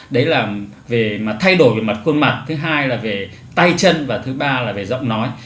đấy là về thay đổi về mặt khuôn mặt thứ hai là về tay chân và thứ ba là về giọng nói